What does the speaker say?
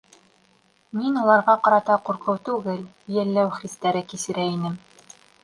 Мин уларға ҡарата ҡурҡыу түгел, йәлләү хистәре кисерә инем.